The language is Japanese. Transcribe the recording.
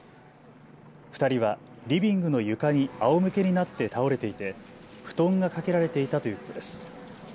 ２人はリビングの床にあおむけになって倒れていて布団がかけられていたということです。